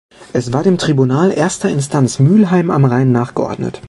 Es war dem Tribunal erster Instanz Mülheim am Rhein nachgeordnet.